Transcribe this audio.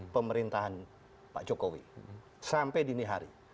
pemerintahan pak jokowi sampai dini hari